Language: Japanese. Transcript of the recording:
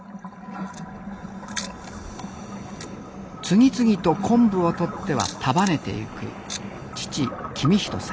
次々と昆布をとっては束ねてゆく父公人さん。